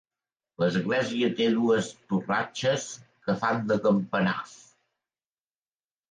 L'església té dues torratxes que fan de campanars.